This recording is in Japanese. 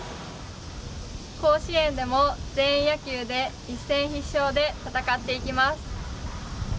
甲子園でも全員野球で一戦必勝で戦っていきます。